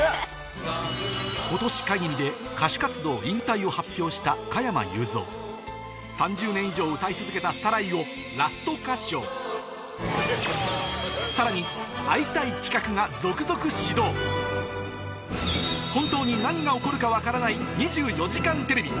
今年限りで歌手活動引退を発表した加山雄三３０年以上歌い続けた『サライ』をラスト歌唱さらに本当に何が起こるか分からない『２４時間テレビ』